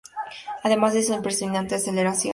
Además de su impresionante aceleración.